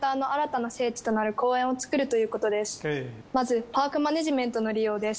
それはまずパークマネジメントの利用です。